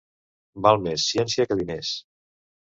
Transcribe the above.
Val més ciència que diners.